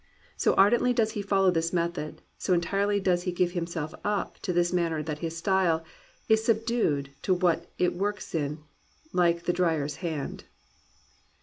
So ardently does he follow this method, so entirely does he give himself up to this manner that his style is subdued To what it works in, like the dyer's hand."